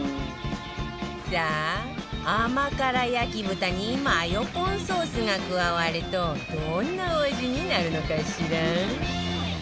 さあ甘辛焼豚にマヨポンソースが加わるとどんなお味になるのかしら？